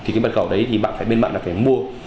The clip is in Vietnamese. cái bật khẩu đấy bạn phải bên mạng mua